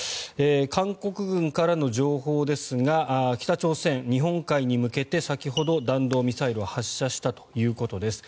韓国軍からの情報ですが北朝鮮、日本海に向けて先ほど弾道ミサイルを発射したということです。